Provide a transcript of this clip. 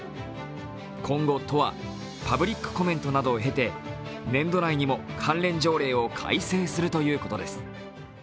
今後、都はパブリックコメントなどを経て年度内にも関連条例を改正するということです。